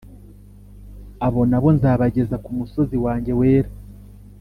abo nabo nzabageza ku musozi wanjye wera,